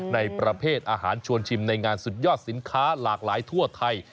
ในประเภทอาหารชวนชิมในงานสุดยอดสินค้าหลากหลายทั่วไทย